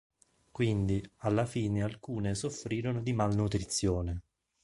Quindi, alla fine alcune soffrirono di malnutrizione.